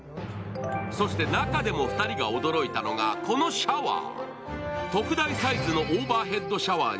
そして中でも２人が驚いたのはこのシャワー。